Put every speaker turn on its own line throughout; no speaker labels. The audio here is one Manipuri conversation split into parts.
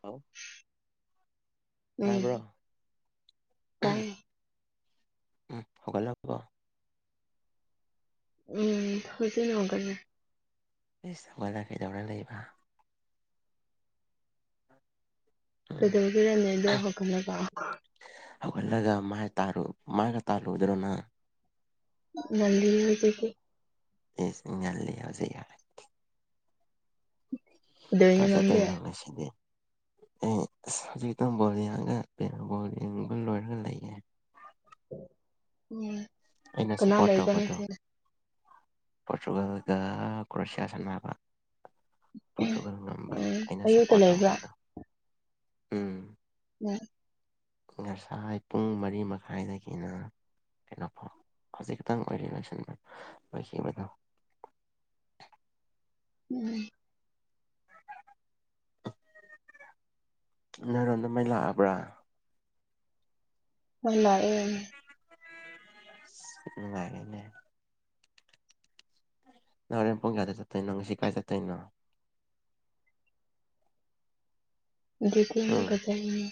ꯍꯜꯂꯣ
ꯎꯝ
ꯇꯥꯕ꯭ꯔꯣ
ꯇ
ꯎꯝ ꯍꯧꯒꯠꯂꯕꯣ
ꯎꯝ ꯍꯧꯖꯤꯅ ꯍꯒꯠꯂꯦ
ꯢꯁ ꯍꯧꯒꯠꯂ ꯀꯩꯗꯧꯔ ꯂꯩꯕ ꯎꯝ
ꯀꯗꯧꯒꯦꯔꯅꯦ ꯑꯗꯣ ꯍꯧꯒꯠꯂꯒ
ꯍꯧꯒꯠꯂꯒ ꯃꯥꯏ ꯇꯥꯔꯨ ꯃꯥꯏꯒ ꯇꯥꯜꯂꯨꯗ꯭ꯔꯣꯅꯪ
UNINTELLIGIBLE
ꯉꯜꯂꯤ ꯍꯧꯖꯤꯛ ꯌꯥꯔꯦ
ꯀꯩꯗꯧꯔꯤꯅꯣ
ꯀꯥꯏ
ꯅꯪꯗꯤ
ꯆꯠꯇꯣꯢꯅꯣ ꯉꯁꯤꯗꯤ ꯑꯦ ꯑꯁ ꯍꯧꯖꯤꯛꯇ ꯇꯨꯝꯕ UNINTELLIGIBLE ꯌꯦꯡꯕ ꯂꯣꯏꯔꯒ ꯂꯩꯌꯦ ꯑꯩꯅ
ꯀꯅꯥ
ꯁꯞꯄꯣꯔꯠ
ꯂꯩꯒꯅꯨ ꯊꯦꯡꯅ
ꯄꯣꯔꯆꯨꯒꯜꯒ ꯀ꯭ꯔꯣꯁꯤꯌꯥ ꯁꯥꯟꯅ ꯌꯥꯕ ꯄꯣꯇꯨꯒꯜ ꯉꯝꯕ
ꯎꯝ
ꯑꯩꯅ
ꯑꯌꯨꯛꯇ
ꯁꯞꯄꯣ꯭ꯔꯠ
ꯂꯩꯕ꯭ꯔꯥ
ꯇꯧꯕꯗꯣ ꯎꯝ
UNINTELLIGIBLE
ꯉꯁꯥꯏ ꯄꯨꯡ ꯃꯔꯤ ꯃꯈꯥꯏꯗꯒꯤꯅ ꯀꯩꯅꯣꯐꯥꯎ ꯍꯧꯖꯤꯛꯇꯪ ꯑꯣꯏꯔꯤ ꯂꯣꯏꯁꯤꯟꯕ ꯂꯣꯏꯈꯤꯕꯗꯣ
ꯎꯝ
ꯅꯣꯏꯔꯣꯟꯗ ꯃꯩ ꯂꯥꯛꯑꯕ꯭ꯔꯥ
ꯍꯣꯢ ꯂꯥꯛꯑꯦ
ꯏꯁ ꯅꯨꯡꯉꯥꯢꯔꯦꯅꯦ ꯅꯪ ꯍꯣꯔꯦꯟ ꯄꯨꯡ ꯀꯌꯥꯗ ꯆꯠꯇꯣꯢꯅꯣ ꯉꯁꯤ ꯀꯥꯏ ꯆꯠꯇꯣꯢꯅꯣ ꯎꯝ
UNINTELLIGIBLE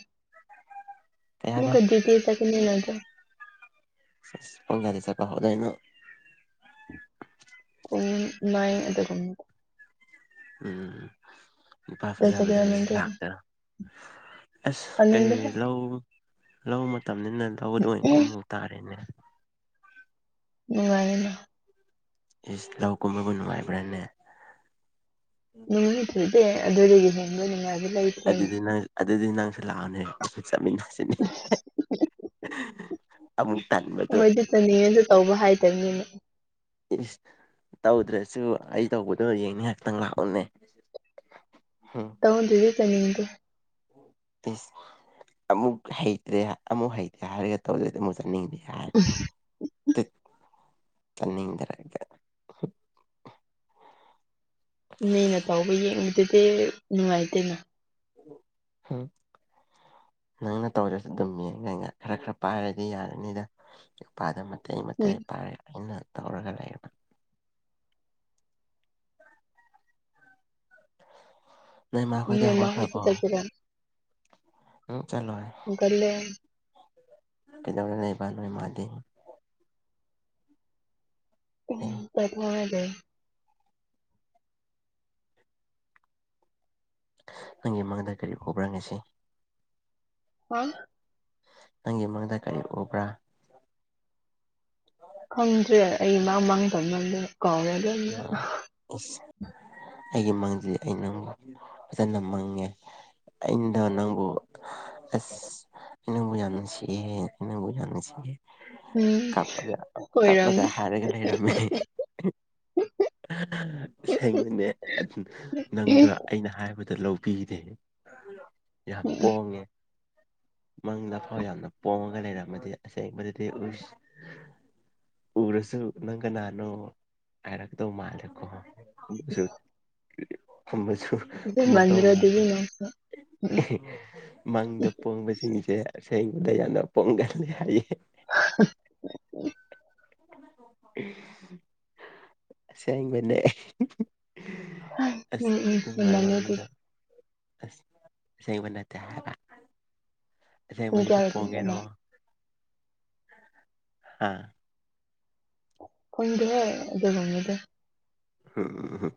ꯀꯩ
ꯃꯦ
ꯍꯥꯏꯕ
ꯀꯨꯟꯀꯨꯇꯤ ꯆꯠꯄꯅꯤꯅꯀꯣ
ꯏꯁ ꯄꯨꯡ ꯀꯌꯥꯗꯩ ꯆꯠꯄ ꯍꯧꯗꯣꯏꯅꯣ
ꯄꯨꯡ ꯃꯥꯏꯟ ꯑꯗꯨꯒꯨꯝ__
ꯎꯝ ꯅꯨꯄꯥ ꯐꯖ
ꯆꯠꯀꯦꯔ
ꯐꯖꯕꯖꯤ
ꯅꯪꯗꯤ
ꯂꯥꯛꯇꯔꯥ ꯑꯁ ꯑꯦ
ꯇꯜꯂꯤꯗ
ꯂꯧ ꯂꯧ ꯃꯇꯝꯅꯤꯅ ꯂꯧꯗ ꯑꯣꯏꯅ ꯀꯨꯝꯃꯨ ꯇꯥꯔꯦꯅꯦ
ꯅꯨꯡꯉꯥꯏꯅꯤꯗꯥ
ꯏꯁ ꯂꯧ ꯀꯨꯝꯕꯕꯨ ꯅꯨꯡꯉꯥꯏꯕ꯭ꯔꯅꯦ
ꯅꯨꯉꯥꯏꯗꯨꯗꯤ ꯑꯗꯨꯗꯒꯤ ꯍꯦꯟꯕ ꯅꯨꯉꯥꯏꯕ ꯂꯩꯇ꯭ꯔꯦꯅꯦ
ꯑꯗꯨꯗꯤ ꯅꯪ ꯑꯗꯨꯗꯤ ꯅꯪꯁꯨ ꯂꯥꯛꯑꯣꯅꯦ ꯅꯈꯨꯠ ꯆꯠꯃꯤꯟꯅꯁꯦ
ꯑ
ꯑꯃꯨꯛ ꯇꯟꯕꯗꯣ
ꯇꯅꯤꯡꯉꯖꯨ ꯇꯧꯕ ꯍꯥꯏꯇꯝꯅꯤꯅ
ꯏꯁ ꯇꯧꯗ꯭ꯔꯁꯨ ꯑꯩ ꯇꯧꯕꯗꯣ ꯌꯦꯡꯅꯤ ꯉꯥꯏ ꯉꯥꯛꯇꯪ ꯂꯥꯛꯑꯣꯅꯦ ꯍꯨꯝ
ꯇꯧꯗ꯭ꯔꯗꯤ ꯆꯠꯅꯤꯡꯗꯦ
ꯏꯁ ꯑꯃꯨꯛ ꯍꯩꯇ꯭ꯔꯦ ꯑꯃꯨꯛ ꯍꯩꯇꯦ ꯍꯥꯏꯔꯒ ꯇꯧꯗꯗꯤ ꯑꯃꯨꯛ ꯆꯠꯅꯤꯡꯗꯦ ꯍꯥꯏ
ꯎ
ꯇꯤꯠ ꯆꯠꯅꯤꯡꯗ꯭ꯔꯒ
ꯃꯤꯅ ꯇꯧꯕ ꯌꯦꯡꯕꯗꯨꯗꯤ ꯅꯨꯡꯉꯥꯏꯇꯦꯅ
ꯍꯨꯝ ꯅꯪꯅ ꯇꯧꯔꯁꯨ ꯑꯗꯨꯝ ꯌꯦꯡꯉꯒ ꯈꯔ ꯈꯔ ꯄꯥꯏꯔꯗꯤ ꯌꯥꯔꯅꯤꯗ ꯅꯨꯄꯥꯗ ꯃꯇꯩ
ꯎꯝ
ꯃꯇꯩ ꯄꯥꯔꯒ ꯑꯩꯅ ꯇꯧꯔꯒ ꯂꯩꯌꯨꯅ ꯅꯣꯏ ꯃꯥꯈꯣꯏꯗꯤ
ꯅꯦꯃꯥ ꯍꯣꯏꯗ
ꯍꯧꯒꯠꯈ꯭ꯔꯕꯣ
ꯆꯠꯁꯤꯔꯥ
ꯎꯪ ꯆꯂꯣꯏ
ꯎꯒꯜꯂꯦ
ꯀꯩꯗꯧꯔ ꯂꯩꯕ ꯅꯣꯏ ꯃꯥꯗꯤ
ꯇꯨꯝ
ꯑꯦ
ꯄꯣꯊꯔꯦ
ꯅꯪꯒꯤ ꯃꯪꯗ ꯀꯔꯤ ꯎꯕ꯭ꯔꯥ ꯉꯁꯤ
ꯋꯥꯡ
ꯅꯪꯒꯤ ꯃꯪꯗ ꯀꯔꯤ ꯎꯕ꯭ꯔꯥ [unintelligible]
ꯈꯪꯗ꯭ꯔꯦ ꯑꯩ ꯃꯥꯡ ꯃꯥꯡꯗꯧꯃꯜꯂꯦꯅ ꯀꯥꯎꯔꯦꯟ
[unintelligible] ꯑꯁ ꯑꯩꯒꯤ ꯃꯪꯖꯤ ꯑꯩꯅꯪꯃꯨꯛ ꯐꯖꯅ ꯃꯪꯉꯦ ꯑꯩꯅ ꯅꯡꯕꯨ ꯑꯁ
[inaudible]
ꯑꯩꯅꯪꯕꯨ ꯌꯥꯝ ꯅꯨꯡꯁꯤꯌꯦ ꯅꯪꯕꯨ ꯌꯥꯝ ꯅꯨꯡꯁꯤꯌꯦ
ꯎꯝ
ꯀꯞꯄꯒ ꯀꯞꯄꯒ
ꯑꯣꯏꯔꯝꯅꯤ
ꯍꯥꯏꯔꯒ ꯂꯩꯔꯝꯃꯦ ꯑꯁꯦꯡꯕꯅꯦ ꯑꯠ ꯅꯪꯗꯣ ꯑꯩꯅ ꯍꯥꯏꯕꯗꯣ ꯂꯧꯕꯤꯗꯦ ꯌꯥꯝ ꯄꯣꯡꯉꯦ ꯃꯪꯗ ꯐꯥꯎ ꯌꯥꯝꯅ ꯄꯣꯉꯒ ꯂꯩꯔꯝꯃꯗꯤ ꯑꯁꯦꯡꯕꯗꯨꯗꯤ ꯎꯁ ꯎꯔꯁꯨ ꯅꯪ ꯀꯅꯥꯅꯣ ꯍꯥꯏꯔꯛꯀꯗꯧ ꯃꯥꯜꯂꯦꯀꯣ ꯀꯨꯝꯁꯨꯠ ꯈꯨꯝꯃꯁꯨ ꯈꯨꯃꯛꯇꯧ
ꯍꯦꯟꯃꯟꯗ꯭ꯔꯣ ꯑꯗꯨꯗꯤ
ꯃꯥꯟꯗꯦ
ꯅꯪꯁꯨ ꯎꯝ
ꯃꯪꯗ ꯄꯣꯡꯕꯁ__ ꯁꯤꯡꯁꯦ ꯑꯁꯦꯡꯕꯗ ꯌꯥꯝꯅ ꯄꯣꯝꯒꯜꯂꯤ ꯍꯥꯏꯌꯦ
[inaudible]
ꯑꯁꯦꯡꯕꯅꯦ
ꯎꯝ
ꯑꯁ
ꯎꯝ
ꯑꯗꯨ
ꯉꯝꯃꯅꯤ
ꯃꯪꯗꯣ
ꯑꯗꯨꯗꯤ
ꯑꯁ ꯑꯁꯦꯡꯕ ꯅꯠꯇꯦ ꯍꯥꯏꯕ ꯑꯁꯦꯡꯕ
ꯄꯨꯡ
ꯑꯗꯨꯗꯤ
ꯀꯌꯥꯗ ꯇꯨꯝꯕ꯭ꯔ
ꯄꯣꯉꯦꯔꯣ
ꯅꯪ
ꯍꯥꯥ
ꯐꯪꯗꯦꯍꯦ ꯑꯗꯨꯒꯨꯝꯕꯗꯤ
ꯍꯨꯝ ꯍꯨꯝ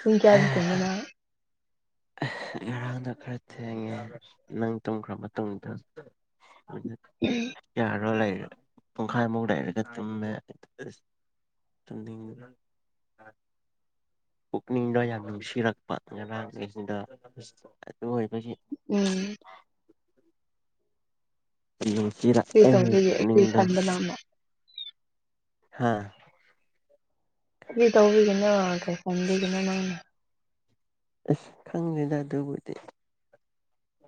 ꯄꯨꯡ ꯀꯌꯥꯗ ꯇꯨꯝꯒꯦ ꯅꯪ
ꯉꯔꯥꯡꯗꯣ ꯈꯔ ꯊꯦꯡꯉꯦ ꯅꯪ ꯇꯨꯝꯈ꯭ꯔꯥ ꯃꯇꯨꯡꯗ ꯑꫭꯏꯅ
ꯎꯝ꯫
ꯌꯥꯔꯣꯏ ꯂꯩꯔꯦ ꯄꯨꯡꯈꯥꯏꯃꯨꯛ ꯂꯩꯔꯒ ꯇꯨꯝꯃꯦ [unintelligible] ꯁꯥꯝꯊꯤꯡ ꯄꯨꯛꯅꯤꯡꯗꯣ ꯌꯥꯝ ꯅꯨꯡꯁꯤꯔꯛꯄ ꯉꯔꯥꯡꯁꯤꯡꯁꯤꯗ ꯑꯗꯨ ꯑꯣꯏꯕꯒꯤ
ꯎꯝ꯫ ꯀꯔꯤ
ꯅꯨꯡꯁꯤꯔꯛꯑꯦ
ꯇꯧꯕꯒꯤ ꯀꯔꯤ
ꯄꯨꯛꯅꯤꯡꯗꫭ
ꯈꯟꯕ ꯅꯪꯅ
ꯍꯥ
ꯀꯔꯤ ꯇꯧꯕꯒꯤꯅꫭ [unintelligible] ꯅꯪꯅꯦ
ꯑꯁ ꯈꯪꯗꯦꯗ ꯑꯗꯨꯕꯨꯗꯤ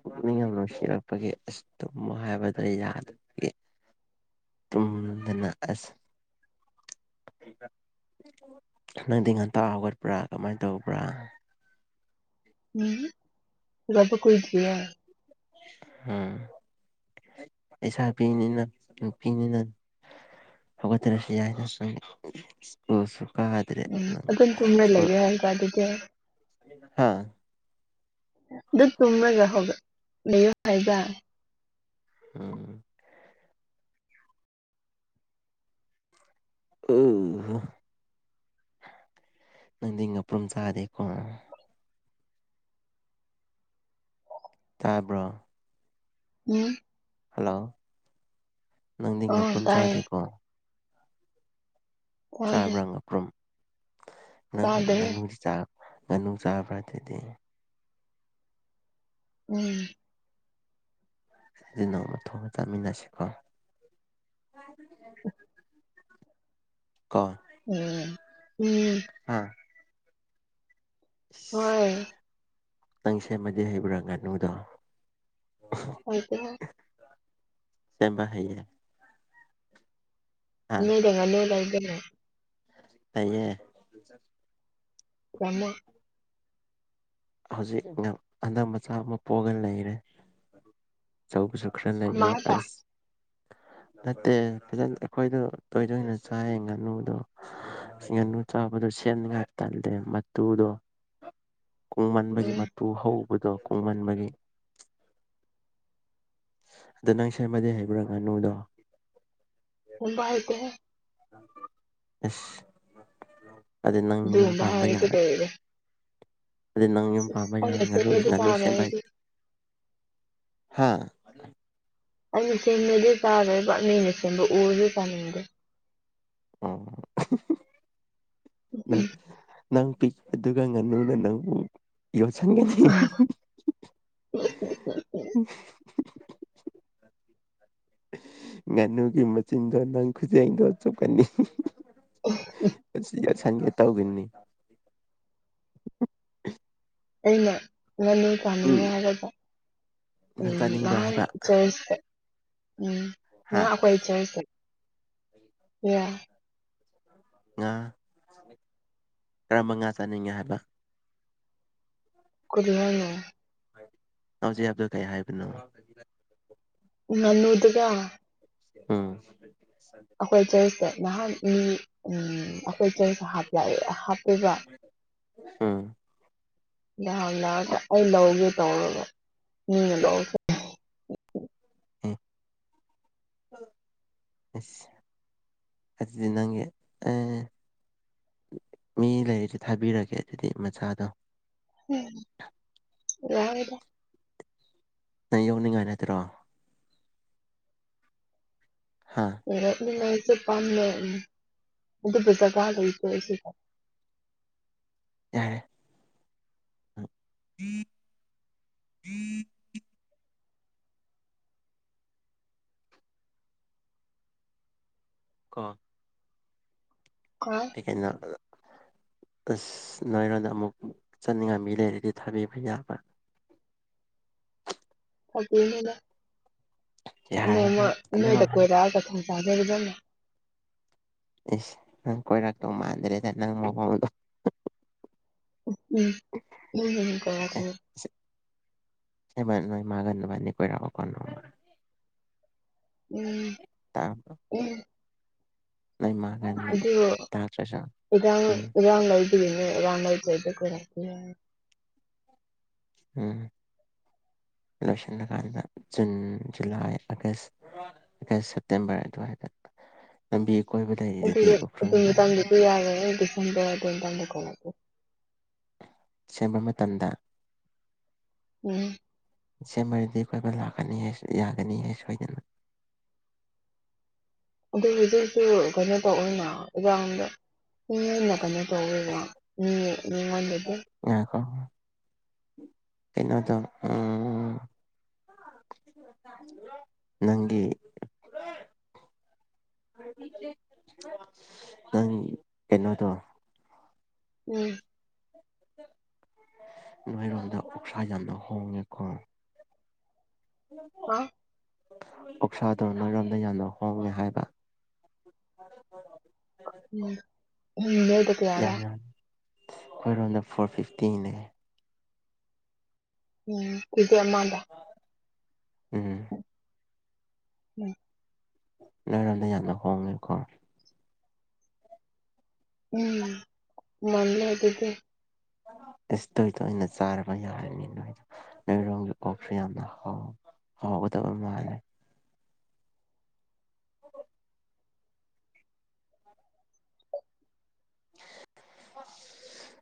ꯄꯨꯛꯅꯤꯡ ꯌꯥꯝ ꯅꯨꯡꯁꯤꯔꯛꯄꯒꯤ ꯑꯁ ꯇꯨꯝꯃꯣ ꯍꯥꯏꯕꯗ ꯌꯥꯗ ꯇꯨꯝꯗꯅ ꯑꯁ [unintelligible] ꯅꯪꯗꯤ ꯉꯟꯇ ꯍꯧꯒꯠꯄ꯭ꯔꯥ ꯀꯃꯥꯏ ꯇꯧꯕ꯭ꯔꯥ
ꯎꯝ ꯍꯜꯂꯛꯄ ꯀꯨꯏꯗꯔꯤꯌꯦ
ꯍꯨꯝ ꯫ ꯂꯩꯁꯥꯕꯤꯅꯤꯅ ꯅꯨꯄꯤꯅꯤꯅ ꯍꯧꯒꯠꯇ꯭ꯔꯥꯁꯤ ꯌꯥꯏꯗꯥ ꯁꯨꯝ ꯃꯁꯨꯀꯥ
ꯎꯝ ꯑꯗꯨꯝ ꯇꯨꯝꯃ ꯂꯩꯒꯦ ꯍꯥꯏꯕ ꯑꯗꯨꯗꯤ
ꯍꯥꯥ
ꯑꯗꯨ ꯇꯨꯝꯃꯒ ꯍꯧꯒꯠ ꯂꯩꯌꯣ ꯍꯥꯏꯕꯔꯥ
ꯎꯝ꯫ ꯑꯣ ꯍꫭ ꯅꯪꯗꯤ ꯉꯄ꯭ꯔꯨꯝ ꯆꯥꯗꯦꯀꯣ ꯇꯥꯕ꯭ꯔꯣ
ꯎꯝ꯫
ꯍꯜꯂꯣ ꯅꯪꯗꯤ
ꯑꯣ
ꯉꯄ꯭ꯔꯨꯝ
ꯇꯥꯏꯌꯦ
ꯆꯥꯥꯗꯦꯀꯣ
ꯇꯥꯗꯦ
ꯆꯥꯕ꯭ꯔꯥ ꯉꯄ꯭ꯔꯨꯝ ꯅꯪ
ꯇꯥꯗꯦꯍꯦ
ꯉꯥꯅꯨꯗꯤ ꯆꯥ ꯉꯥꯅꯨ ꯆꯥꯕ꯭ꯔꯥ ꯑꯗꯨꯗꯤ
ꯎꯝ꯫
ꯑꯗꯨ ꯅꫭꯡꯃ ꯊꯣꯡꯉꯥ ꯆꯥꯃꯤꯟꯅꯁꯤꯀꯣ ꯀꫭ
ꯑꯣ ꯎꯝ
ꯍꯥꯥ
ꯍꯣꯏ
ꯅꯪ ꯁꯦꯝꯕꯗꯤ ꯍꯩꯕ꯭ꯔꯥ ꯉꯥꯅꯨꯗꯣ
ꯍꯩꯗ
ꯁꯦꯝꯕ ꯍꯩꯌꯦ ꯍꯥ
ꯅꯣꯏꯗꯅ ꯅꯣꯏ ꯌꯥꯏ ꯀꯩꯅꯣ
ꯍꯩꯌꯦ
[unintelligible]
ꯍꯧꯖꯤꯛ ꯅꯪ ꯑꯉꯥꯡ ꯃꯆꯥ ꯑꯃ ꯄꯣꯛꯑꯒ ꯂꯩꯔꯦ ꯑꯆꯧꯕꯁꯨ ꯈꯔ ꯂꯩꯔꯦ
ꯑꯃꯈꯛꯇ
ꯑꯁ ꯅꯠꯇꯦ ꯐꯖꯅ ꯑꯩꯈꯣꯏꯗꯣ ꯇꯣꯏ ꯇꯣꯏꯅ ꯆꯥꯏꯌꯦ ꯉꯥꯅꯨꯗꯣ ꯉꯥꯅꯨ ꯆꯥꯕꯗꯣ ꯁꯦꯝꯕ ꯇꯜꯂꯦ ꯃꯇꯨꯗꯣ ꯀꯨꯡꯃꯟꯕꯒꯤ
ꯎꯝ
ꯃꯇꯨ ꯍꯧꯕꯗꯣ ꯀꯨꯡꯃꯟꯕꯒꯤ ꯑꯗ ꯅꯪ ꯁꯦꯝꯕꯗꯤ ꯍꯩꯕ꯭ꯔꯥ ꯉꯥꯅꯨꯗꯣ
ꯊꯣꯡꯕ ꯍꯩꯇꯦꯍꯦ
ꯏꯁ ꯑꯗꯨꯗꯤ ꯅꯪ ꯌꯨꯝ
ꯑꯗꯨꯒꯨꯝꯕ
ꯄꯥꯟꯕ ꯌꯥꯔꯔꯣꯏ
[unintelligible]
ꯑꯗꯨ ꯅꯪ ꯌꯨꯝ ꯄꯥꯟꯕ
ꯑꯩꯅ
ꯌꯥꯔꯣꯏ ꯉꯥꯅꯨ
ꯁꯦꯝꯕꯗꯤ
ꯉꯥꯅꯨ
ꯆꯥꯔꯣꯏ
ꯁꯦꯝꯕ
ꯑꯩꯗꯤ
ꯍꯩꯇ꯭ꯔꯗꯤ ꯍꯥ
ꯑꯩꯅ ꯁꯦꯝꯕꯗꯤ ꯆꯥꯔꯣꯏꯕ ꯃꯤꯅ ꯁꯦꯝꯕ ꯎꯔꯁꯨ ꯆꯥꯅꯤꯡꯗꯦ
ꯑꯣ ꯅꯪ ꯅꯪ ꯄꯤꯛ ꯑꯗꯨꯒ ꯉꯥꯅꯨꯅ ꯅꯪꯕꯨ ꯌꯣꯠꯁꯟꯒꯅꯤ ꯉꯥꯅꯨꯒꯤ ꯃꯆꯤꯟꯗꯣ ꯅꯪ ꯈꯨꯖꯦꯛ ꯗꯣ ꯆꯨꯞꯀꯅꯤ ꯑꯗꯨ ꯌꯦꯠꯁꯟꯒꯦ ꯇꯧꯒꯅꯤ
ꯑꯩꯅ ꯉꯥꯅꯨ ꯆꯥꯅꯤꯡꯉꯦ
ꯎꯝ
ꯍꯥꯏꯔꯒ
ꯅꯪ
ꯎꯝ
ꯆꯥꯅꯤꯡꯕ꯭ꯔꯥ
ꯅꯍꯥꯟ
ꯍꯥꯏꯕ
ꯆꯔꯁꯆꯇꯥ ꯎꯝ
ꯍꯥ
ꯅꯥꯍꯥ ꯑꯩꯈꯣꯏ ꯆꯔꯁꯆꯇ
ꯉꯥ ꯀꯔꯝꯕ ꯉꯥ ꯆꯥꯅꯤꯡꯉꯦ ꯍꯥꯏꯕ
ꯀꯔꯤ ꯍꯥꯏꯅꯣ
ꯍꯧꯖꯤꯛ ꯍꯥꯏꯕꯗꯨ ꯀꯩ ꯍꯥꯏꯕꯅꯣ
ꯉꯥꯅꯨꯗꯨꯒ
ꯎꯝ
ꯑꯩꯈꯣꯏ ꯆꯔꯁꯆꯇ ꯅꯍꯥꯟ ꯃꯤ ꯑꯝ ꯑꯩꯈꯣꯏ ꯆꯔꯁꯆ ꯍꯥꯞ ꯂꯥꯛꯑꯦ ꯍꯥꯞꯂꯥꯛꯑꯦ ꯍꯥꯞꯄꯦꯕ
ꯎꯝ
ꯅꯍꯥꯟ ꯂꯥꯛꯑꯒ ꯑꯩ ꯂꯧꯒꯦ ꯇꯧꯔꯒ ꯃꯤꯅ ꯂꯧꯒꯦ
ꯑꯁ ꯑꯗꯨꯗꯤ ꯅꯪ ꯑ ꯃꯤ ꯂꯩꯔꯤꯁꯨ ꯊꯥꯕꯤꯔꯒꯦ ꯑꯗꯨꯗꯤ ꯃꯆꯥꯗꯣ
ꯌꯥꯔꯦꯗꯥ
ꯅꯪ ꯌꯧꯅꯤꯡꯉꯥꯏ ꯅꯠꯇꯔꯣ ꯍꯥ
[unintelligible]
ꯌꯥꯔꯦ ꯑ [inaudible] [unintelligible]
[unintelligible]
ꯀꯩꯅꯣ ꯑꯁ ꯅꯣꯏꯔꯣꯝꯗ ꯑꯃꯨꯛ ꯆꯠꯅꯤꯡꯉꯥꯏ ꯃꯤ ꯂꯩꯔꯗꯤ ꯊꯥꯕꯤꯕ ꯌꯥꯕ꯭ꯔꯥ
ꯀꯥꯏꯗꯩꯅꯣꯗꯥ
ꯌꯥꯔꯦ
ꯅꯣꯡꯃ
ꯅꯪ
ꯅꯣꯏꯗ
ꯑꯗꯨꯃꯥꯏ ꯍꯥꯏ
ꯀꯣꯏꯔꯛꯑꯒ [unintelligible]
ꯏꯁ ꯅꯪ ꯀꯣꯏꯔꯛꯇꯧ ꯃꯥꯟꯗ꯭ꯔꯦꯗ ꯅꯪ ꯃꯑꯣꯡꯗꯣ ꯑꯦ
[unintelligible]
[unintelligible] ꯅꯣꯏ ꯃꯥꯒ ꯅꯕꯥꯅꯤ ꯀꯣꯏꯔꯛꯑꯣꯀꯣ ꯅꯣꯡꯃ
ꯎꯝ ꯎꯝ
ꯂꯩꯃꯥ
ꯑꯗꯨ ꯏꯔꯥꯡ
ꯎꯝ
ꯏꯔꯥꯡ ꯂꯩꯕꯒꯤꯅꯦ ꯏꯔꯥꯡ ꯂꯩꯇꯔꯗꯤ ꯀꯣꯏꯔꯛꯀꯦ
ꯎꯝ ꯂꯣꯏꯁꯤꯜꯂꯀꯥꯟꯗ June July August August September ꯑꯗꯨꯋꯥꯏꯗ ꯂꯝꯕꯤ ꯑꯀꯣꯏꯕ ꯂꯩꯔꯤꯗꯨꯗꯤ
ꯑꯗꯨꯒꯤ ꯑꯗꯨ
ꯎꯈ꯭ꯔꯨꯜꯒꯤ ꯂꯝꯕꯤ
ꯃꯇꯝꯗꯨꯗꯤ ꯌꯥꯔꯣꯏ ꯑꯩꯗꯤ [unintelligible]
ꯁꯦꯝꯕ ꯃꯇꯝꯗ
ꯎꯝ
ꯗꯤꯁꯦꯝꯕꯔꯗꯗꯤ ꯑꯩꯈꯣꯏ ꯕꯥ ꯂꯥꯛꯀꯅꯤ ꯍꯦ ꯌꯥꯒꯅꯤ ꯍꯦ ꯁꯣꯏꯗꯅ
ꯑꯗꯨ ꯍꯧꯖꯤꯛꯁꯨ ꯀꯩꯅꯣ ꯇꯧ ꯑꯣꯏꯅ ꯏꯔꯥꯡꯗ ꯃꯤꯉꯣꯟꯅ ꯀꯩꯅꯣ ꯇꯧꯋꯦꯅ ꯃꯤ ꯃꯤꯉꯣꯟꯗꯗꯤ
ꯉꯥꯏꯈꯣ ꯀꯩꯅꯣꯗꯣ ꯎꯝ ꯅꯪꯒꯤ ꯅꯪ ꯀꯩꯅꯣꯗꯣ
ꯎꯝ
ꯅꯣꯏꯔꯣꯝꯗ ꯑꯣꯛꯁꯥ ꯌꯥꯝꯅ ꯍꯣꯡꯉꯦ ꯀꯣ [unintelligible]
ꯍꯥ
ꯑꯣꯛꯁꯥꯗꯣ ꯅꯣꯏꯔꯣꯝꯗ ꯌꯥꯝꯅ ꯍꯣꯡꯉꯦ ꯍꯥꯏꯕ
ꯎꯝ ꯎꯝ ꯅꯣꯏꯗ ꯀꯌꯥꯔꯥ
ꯌꯥꯝ ꯌꯥꯝ ꯑꯩꯈꯣꯏꯔꯣꯝꯗ ꯐꯣꯔ ꯐꯤꯐꯇꯤꯅꯦ
ꯎꯝ ꯀꯦꯖꯤ ꯑꯃꯗ
ꯎꯝ
ꯎꯝ
ꯅꯣꯏꯔꯣꯝꯗ ꯌꯥꯝꯅ ꯍꯣꯡꯉꯦꯀꯣ
ꯎꯝ ꯃꯜꯂꯦ ꯑꯗꯨꯒꯤ
ꯏꯁ ꯇꯣꯏ ꯇꯣꯏꯅ ꯆꯥꯔꯕ ꯌꯥꯔꯅꯤ ꯅꯣꯏꯗꯣ ꯅꯣꯏꯔꯣꯝꯒꯤ ꯑꯣꯛꯁꯨ ꯌꯥꯝꯅ ꯍꯥꯎ ꯍꯥꯎꯒꯗꯕ ꯃꯥꯜꯂꯦ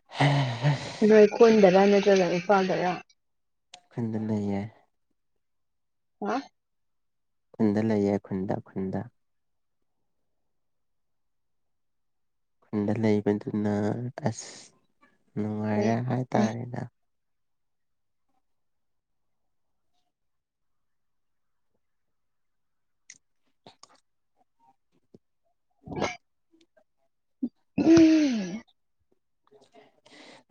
ꯍꯦ ꯍꯦ
ꯅꯣꯏ ꯈꯨꯟꯗꯔꯥ ꯅꯠꯇ꯭ꯔꯒ ꯏꯝꯐꯥꯜꯗꯔꯥ
ꯈꯨꯟꯗ ꯂꯩꯌꯦ
ꯍꯥ
ꯈꯨꯟꯗ ꯂꯩꯌꯦ ꯈꯨꯟꯗ ꯈꯨꯟꯗ ꯈꯨꯟꯗ ꯂꯩꯕꯗꯨꯅ ꯑꯁ
ꯎꯝ
ꯅꯨꯡꯉꯥꯏꯔꯦ ꯍꯥꯏꯇꯥꯔꯦꯗ
[inaudible]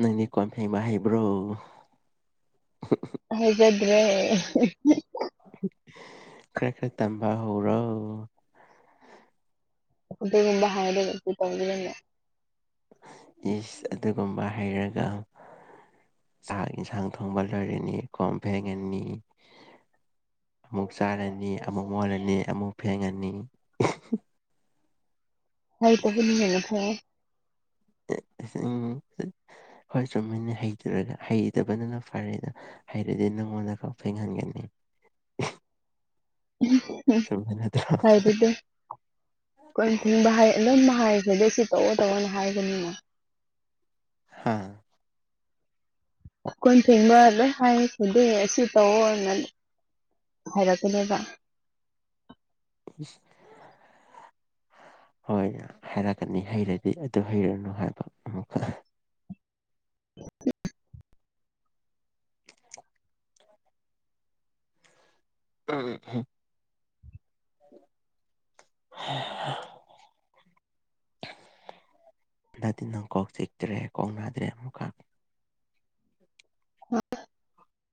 ꯅꯪꯗꯤ ꯀꯣꯟ ꯐꯦꯡꯕ ꯍꯩꯕ꯭ꯔꯣ
ꯍꯩꯖꯗ꯭ꯔꯦ
ꯈꯔ ꯈꯔ ꯇꯝꯕ ꯍꯧꯔꯣ
[unintelligible] ꯍꯥꯏꯔꯒꯁꯨ ꯑꯁꯤ ꯇꯧꯕꯤꯔꯝꯃꯦ
ꯏꯁ ꯑꯗꯨꯒꯨꯝꯕ ꯍꯩꯔꯒ ꯆꯥꯛ ꯍꯦꯟꯁꯥꯡ ꯊꯣꯡꯕ ꯂꯣꯏꯔꯅꯤ ꯀꯣꯟ ꯐꯦꯡꯉꯅꯤ꯫ ꯑꯃꯨꯛ ꯆꯥꯔꯅꯤ ꯑꯃꯨꯛ ꯃꯣꯠꯂꯅꯤ ꯑꯃꯨꯛ ꯐꯦꯡꯉꯅꯤ꯫
ꯋꯥꯏ ꯇꯩꯕꯗꯨꯅ ꯍꯦꯟꯅ ꯐꯩꯌꯦ꯫
ꯎꯝ ꯍꯣꯏ ꯆꯨꯝꯃꯤꯅꯦ ꯍꯩꯇ꯭ꯔꯒ ꯍꯩꯇꯕꯗꯨꯅ ꯐꯔꯦꯗ꯫ ꯍꯩꯔꯗꯤ ꯅꯪꯉꯣꯟꯗ ꯈꯔ ꯐꯦꯡꯍꯟꯒꯅꯤ꯫
ꯏꯁ ꯍꯨꯝ
ꯆꯨꯝꯕ ꯅꯠꯇ꯭ꯔꯣ
ꯍꯩꯕꯤꯗꯦ꯫ ꯀꯣꯟ ꯐꯦꯡꯕ ꯍꯥꯏ ꯑꯗꯨꯝ ꯍꯥꯏꯁꯤꯗꯤ ꯁꯤ ꯇꯧꯑꯣ-ꯇꯧꯑꯣꯅ ꯍꯥꯏꯕꯅꯤꯅꯦ꯫
ꯍꯥꯥ꯫
ꯀꯣꯟ ꯐꯦꯡꯕ ꯂꯣꯏ ꯍꯥꯏꯁꯤꯗꯤ ꯑꯁꯤ ꯇꯧꯑꯣꯅ ꯍꯥꯏꯔꯛꯄꯅꯦꯕ꯫
ꯏꯁ [inaudible] ꯍꯣꯏ ꯍꯥꯏꯔꯛꯀꯅꯤ ꯍꯩꯔꯗꯤ ꯑꯗꯨ ꯍꯩꯔꯅꯨ ꯍꯥꯏꯕ ꯑꯃꯨꯛꯀ꯫
[inaudible]
ꯎꯝ ꯎꯍꯝ꯫ ꯍꯩꯍꯥ ꯍꯗꯗꯤ ꯅꯪ ꯀꯣꯛ ꯆꯤꯛꯇ꯭ꯔꯦ ꯀꯣꯛ ꯅꯥꯗ꯭ꯔꯦ ꯑꯃꯨꯛꯀ꯫